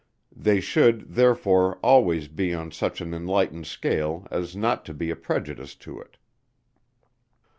They should, therefore, always be on such an enlightened scale as not to be a prejudice to it.